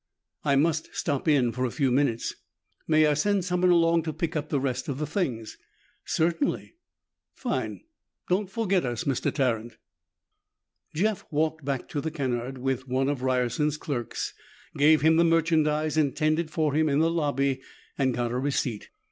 "I must stop in for a few minutes." "May I send someone along to pick up the rest of the things?" "Certainly." "Fine! Don't forget us, Mr. Tarrant." Jeff walked back to the Kennard with one of Ryerson's clerks, gave him the merchandise intended for him in the lobby and got a receipt.